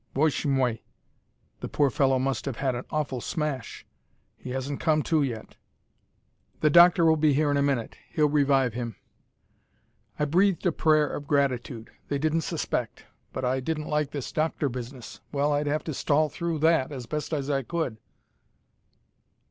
"Boszhe moi, the poor fellow must have had an awful smash. He hasn't come to yet." "The doctor will be here in a minute. He'll revive him." I breathed a prayer of gratitude. They didn't suspect! But I didn't like this doctor business. Well, I'd have to stall through that as best I could.